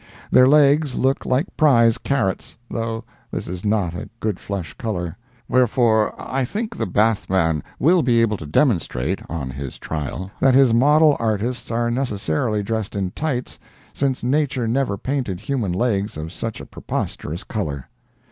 Their legs look like prize carrots, though this is not a good flesh color; wherefore I think the bath man will be able to demonstrate, on his trial, that his model artists are necessarily dressed in tights, since nature never painted human legs of such a preposterous color.